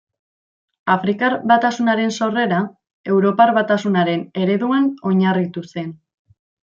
Afrikar Batasunaren sorrera Europar Batasunaren ereduan oinarritu zen.